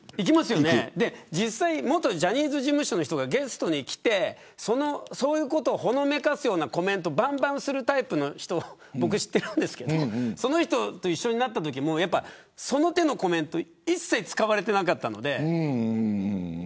実際、元ジャニーズ事務所の人がゲストに来てそういうことをほのめかすようなコメントをばんばんするタイプの人僕、知ってるんですけどその人と一緒になったときもその手のコメント一切使われていなかったので。